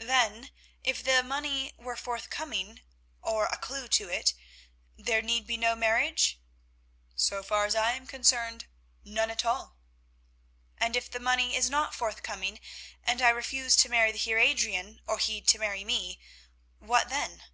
"Then, if the money were forthcoming—or a clue to it—there need be no marriage?" "So far as I am concerned, none at all." "And if the money is not forthcoming, and I refuse to marry the Heer Adrian, or he to marry me—what then?"